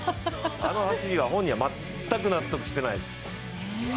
あの走りは本人は全く納得してないです。